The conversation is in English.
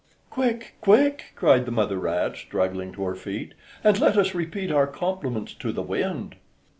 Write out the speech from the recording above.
"Quick, quick," cried the mother rat, struggling to her feet, "and let us repeat our compliments to the wind."